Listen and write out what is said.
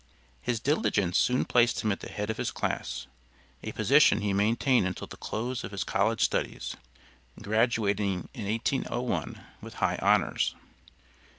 His diligence soon placed him at the head of his class, a position he maintained until the close of his college studies, graduating in 1801 with high honors.